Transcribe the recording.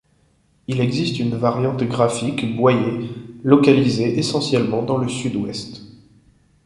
Il existe une variante graphique Boyé localisée essentiellement dans le sud ouest.